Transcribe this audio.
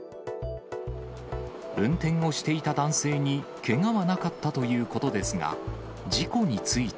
運転をしていた男性にけがはなかったということですが、事故について。